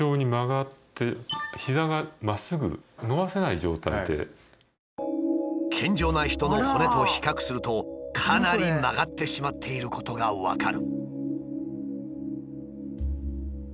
ここの健常な人の骨と比較するとかなり曲がってしまっていることが分かる。